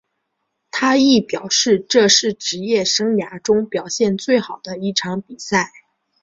他亦表示这是职业生涯中表现最好的一场比赛。